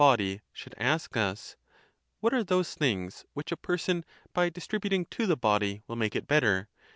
463 body, should ask us—What are those things, which a person by distributing to the body will make it better?